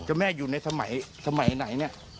เจ้าแม่อยู่ในสมัยไหนนี่